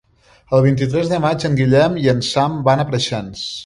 El vint-i-tres de maig en Guillem i en Sam van a Preixens.